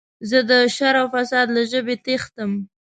زه د شر او فساد له ژبې تښتم.